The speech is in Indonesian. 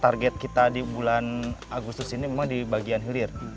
target kita di bulan agustus ini memang di bagian hilir